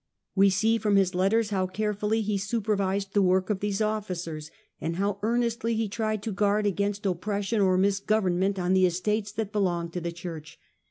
We see from his letters how carefully he supervised the 90 THE DAWN OF MEDIAEVAL EUROPE work of these officers, and how earnestly he tried to guard against oppression or misgovernment on the estates that belonged to the Church.